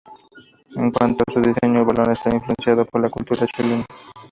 En cuanto a su diseño, el balón está influenciado por la cultura chilena.